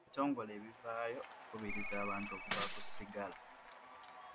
Ebitongole bivaayo okukubiriza abantu okuva ku sigala.